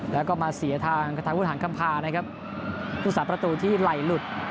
แล้วก็มาเสียทางทางวุฒาหางค่ำพานะครับศุษย์ศาสตร์ประตูที่ไหลหลุด